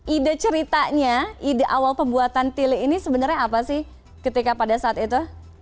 ide ceritanya ide awal pembuatan tili ini sebenarnya apa sih ketika pada saat itu